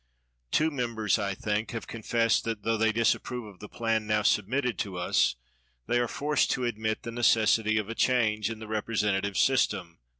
Two members, I think, have confessed that, tho they disapprove of the plan" now sub mitted to us, they are forced to admit the necessity of a change in the representative sys tem.